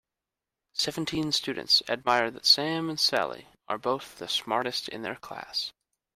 Seventeen students admired that Sam and Sally are both the smartest in their class.